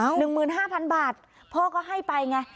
หนึ่งหมื่นห้าพันบาทพ่อก็ให้ไปไง